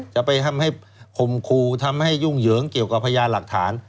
จะไปทำให้คมคู่ยุ่งเหยิงกับพยานหลักฐาน